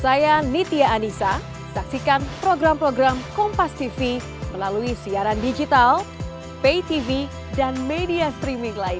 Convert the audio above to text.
saya nitya anissa saksikan program program kompastv melalui siaran digital paytv dan media streaming lainnya